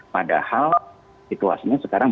padahal situasinya sekarang